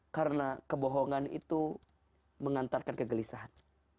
karena kebohongan itu mengantarkan kegelisahan